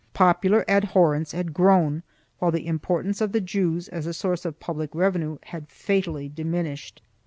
Popular abhorrence had grown, while the importance of the Jews as a source of public revenue had fatally diminished.